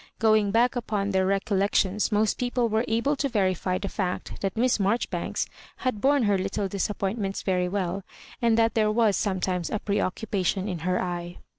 Going back upon their recollections most people were able to verify the fact that Miss Marjoribanks had borne her little disappointments very well, and that there was sometimes a preoccupation in her eye.